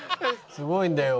すごいんだよ。